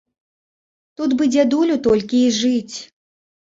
Тут бы дзядулю толькі і жыць!